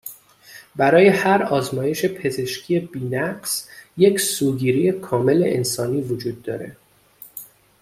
برای هر آزمایش پزشکی بینقص، یک سوگیری کاملِ انسانی وجود داره